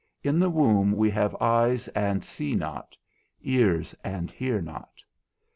In the womb we have eyes and see not, ears and hear not.